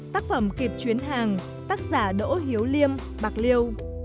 tác phẩm kịp chuyến hàng tác giả đỗ hiếu liêm bạc liêu